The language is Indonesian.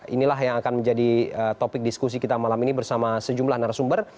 inilah yang akan menjadi topik diskusi kita malam ini bersama sejumlah narasumber